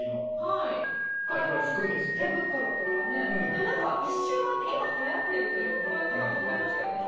でもなんか一周回って今はやってるというかこういう方々増えましたよね。